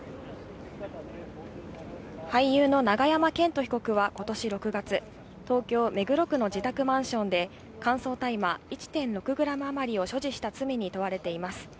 俳優の永山絢斗被告はことし６月、東京・目黒区の自宅マンションで乾燥大麻１．６グラム余りを所持した罪に問われています。